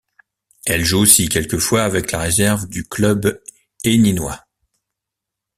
Elle joue aussi quelques fois avec la réserve du club héninois.